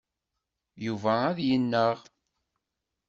Yuba ad yennaɣ.